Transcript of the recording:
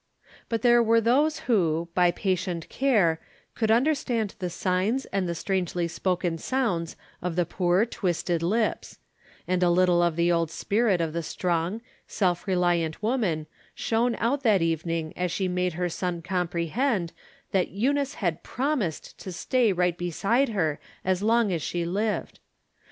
But there were those who, by patient care, could understand the signs and the strangely spoken sounds of the poor, twisted lips ; and a little of the old spirit of the strong, seK re liant woman shone out that evening as she made her son comprehend that Eunice had promised to stay right beside her as long as she lived.